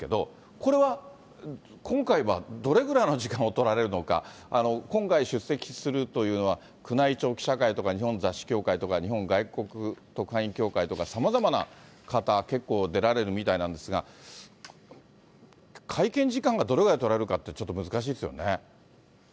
これは、今回はどれぐらいの時間を取られるのか、今回出席するというのは、宮内庁記者会とか日本雑誌協会とか、日本外国特派員協会とか、さまざまな方、結構出られるみたいなんですが、会見時間がどれぐらい取られるかって、ちょっと難しいですよね。